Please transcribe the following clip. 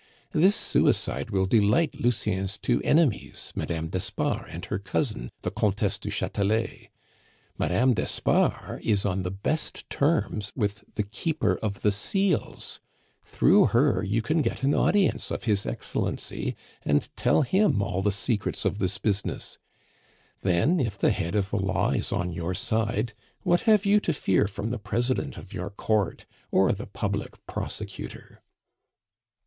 "This suicide will delight Lucien's two enemies, Madame d'Espard and her cousin, the Comtesse du Chatelet. Madame d'Espard is on the best terms with the Keeper of the Seals; through her you can get an audience of His Excellency and tell him all the secrets of this business. Then, if the head of the law is on your side, what have you to fear from the president of your Court or the public prosecutor?"